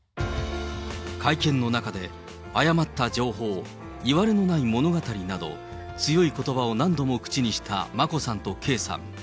会見の中で、誤った情報、いわれのない物語など、強いことばを何度も口にした眞子さんと圭さん。